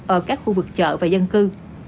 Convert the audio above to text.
ở các khu vực chợ và dân cư